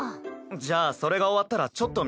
じゃあそれが終わったらちょっと店に。